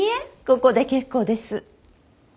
ここで結構です。